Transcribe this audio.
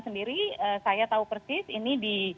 sendiri saya tahu persis ini di